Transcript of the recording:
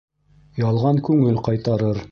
Ялған күңел ҡайтарыр.